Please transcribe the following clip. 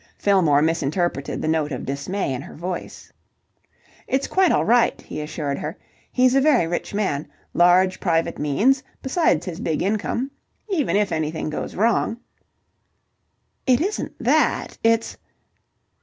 Fillmore misinterpreted the note of dismay in her voice. "It's quite all right," he assured her. "He's a very rich man. Large private means, besides his big income. Even if anything goes wrong..." "It isn't that. It's..."